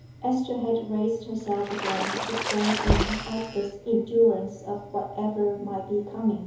Esther had raised herself again, to stand in helpless endurance of whatever might be coming.